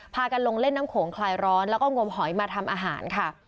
พากันลงเล่นน้ำโขงคลายร้อนแล้วก็งมหอยมาทำอาหารค่ะ